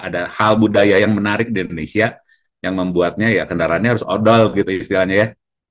ada hal budaya yang menarik di indonesia yang membuatnya ya kendaraannya harus odol gitu istilahnya ya